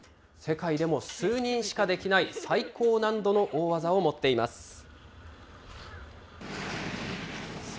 世界でも数人しかできない最高難度の大技を持っています。